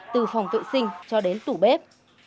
từ phòng tội sinh cho đến tủ bếp